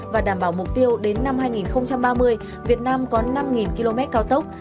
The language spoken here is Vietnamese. và đảm bảo mục tiêu đến năm hai nghìn ba mươi việt nam có năm km cao tốc